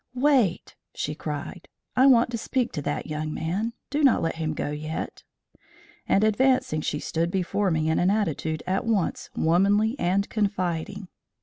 "Wait!" she cried, "I want to speak to that young man. Do not let him go yet." And advancing, she stood before me in an attitude at once womanly and confiding.